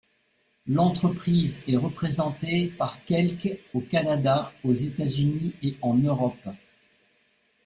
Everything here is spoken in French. L'entreprise est représentée par quelque au Canada, aux États-Unis et en Europe.